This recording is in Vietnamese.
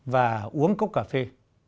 và uống cốc cà phê